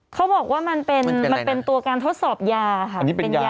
เค้าบอกว่ามันเป็นตัวการทดสอบยาค่ะเป็นยามันเป็นอะไรนะ